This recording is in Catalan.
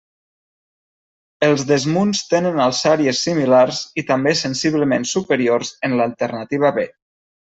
Els desmunts tenen alçàries similars i també sensiblement superiors en l'alternativa B.